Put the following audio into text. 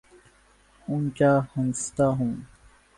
اونچا ہنستا ہوں